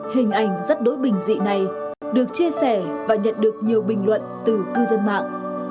hình ảnh rất đối bình dị này được chia sẻ và nhận được nhiều bình luận từ cư dân mạng